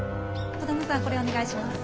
兒玉さんこれお願いします。